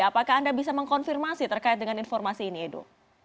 apakah anda bisa mengkonfirmasi terkait dengan informasi ini edo